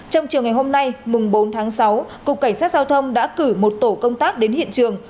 trong chiều ngày hôm nay mùng bốn tháng sáu cục cảnh sát giao thông đã cử một tổ công tác đến hiện trường